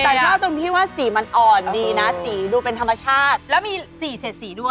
แต่ชอบตรงที่ว่าสีมันอ่อนดีนะสีดูเป็นธรรมชาติแล้วมีสีเสร็จสีด้วย